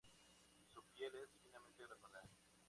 Su piel es finamente granular.